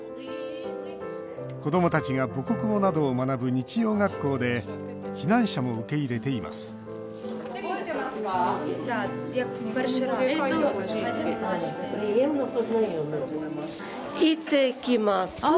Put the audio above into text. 子どもたちが母国語などを学ぶ日曜学校で避難者も受け入れていますいってきます。